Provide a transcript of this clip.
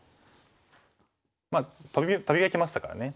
まあトビがきましたからね